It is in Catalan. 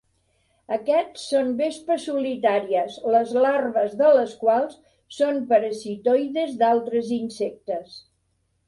Aquests són vespes solitàries les larves de les quals són parasitoides d'altres insectes.